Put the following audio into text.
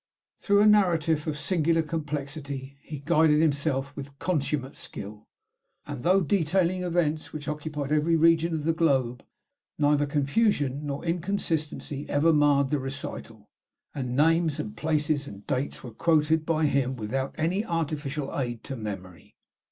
Through a narrative of singular complexity he guided himself with consummate skill, and though detailing events which occupied every region of the globe, neither confusion nor inconsistency ever marred the recital, and names and places and dates were quoted by him without any artificial aid to memory."